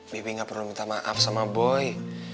bibi nggak perlu minta maaf sama boy